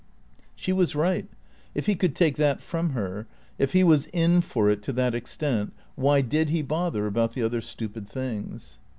She was right. If he could take that from her, if he was in for it to that extent, why did he bother about the other stupid things?